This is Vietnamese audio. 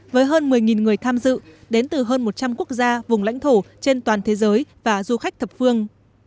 với hơn một mươi người tham dự đến từ hơn một trăm linh quốc gia vùng lãnh thổ trên toàn thế giới và du khách thập phương